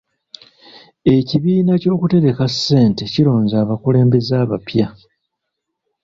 Ekibiina ky'okutereka ssente kironze abakulembeze abapya.